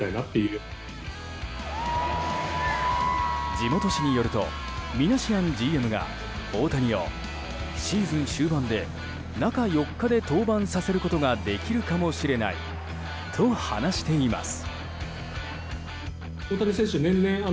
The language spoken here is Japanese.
地元紙によるとミナシアンＧＭが大谷をシーズン終盤で中４日で登板させることができるかもしれないと話しています。